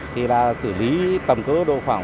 thì là xử lý tầm cỡ độ khoảng